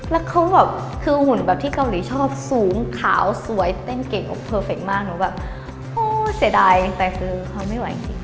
แต่คือเขาไม่ไหวจริง